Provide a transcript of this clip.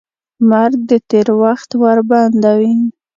مرګ د تېر وخت ور بندوي.